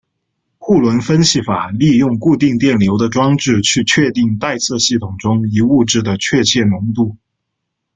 库伦分析法利用固定电流的装置去确定待测系统中一物质的确切浓度。